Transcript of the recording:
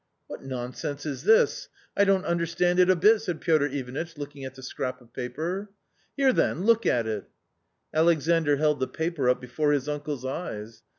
" What nonsense is this ? I don't understand it a bit," said Piotr Ivanitch, looking at the scrap of paper. " Here, then, look at it." Alexandr held the paper up before his uncle's eyes.